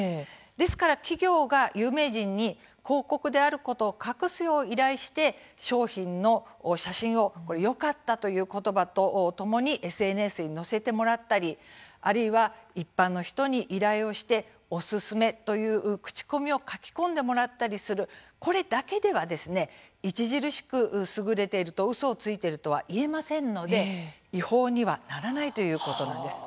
ですから、企業が有名人に広告であることを隠すよう依頼して商品の写真をよかったという言葉とともにＳＮＳに載せてもらったりあるいは一般の人に依頼をしておすすめという口コミを書き込んでもらったりするこれだけでは著しく優れているとうそをついているとは言えませんので、違法にはならないということなんです。